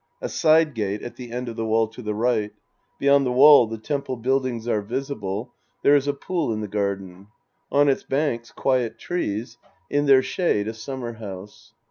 A side gate at the end of the wall to the right. Beyond the wall the temple buildings are visible. There is a pool in the garden. On its banks, quiet trees; in their shade, a summer house.